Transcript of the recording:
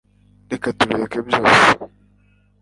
reka tubireke byose